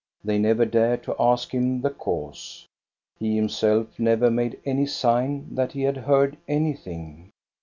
They never dared to ask him the cause. He himself never made any sign that he had heard anything.